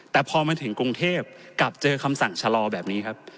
แต่พอมาถึงกรุงเทพกลับเจอคำสั่งชะลอแบบนี้ครับ